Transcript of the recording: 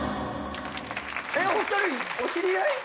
お二人お知り合い？